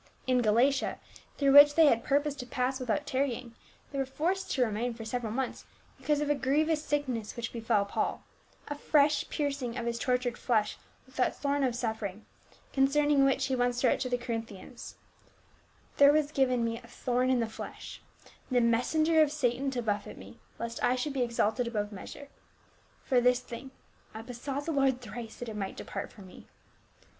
InGalatia — ^through which they had purposed to pass without tarrying, they were forced to remain for several months because of a grievous sickness which befell Paul, a fresh piercing of his tortured flesh with that thorn of suffering, concerning which he once wrote to the Corinthians, " There was given me a thorn in the flesh, the messenger of Satan to buffet me, lest I should be exalted above measure. For this thing I besought the Lord thrice that it might depart from me.